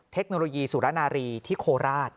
เทคโนโลยีสุรนารีที่โคราช